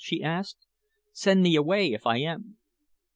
she asked. "Send me away if I am."